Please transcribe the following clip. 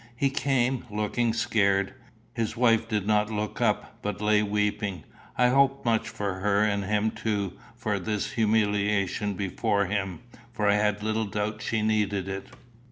He came, looking scared. His wife did not look up, but lay weeping. I hoped much for her and him too from this humiliation before him, for I had little doubt she needed it.